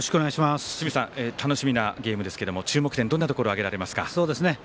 清水さん、楽しみなゲームですが注目点どんなところを挙げられますか？